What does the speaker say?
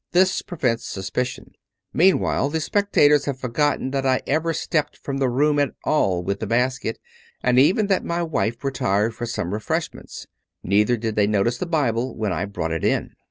This prevents suspicion. Meanwhile, the spectators have forgotten that I ever stepped from the room at all with the basket, and even that my wife retired for some re freshments. Neither did they notice the Bible when I brought it in.